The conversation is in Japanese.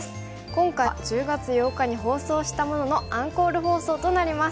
今回は１０月８日に放送したもののアンコール放送となります。